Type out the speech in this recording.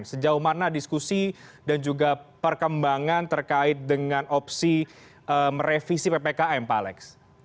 sejauh mana diskusi dan juga perkembangan terkait dengan opsi merevisi ppkm pak alex